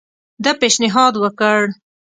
ده پېشنهاد وکړ.